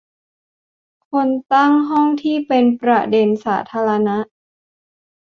คนตั้งห้องที่เป็นประเด็นสาธารณะ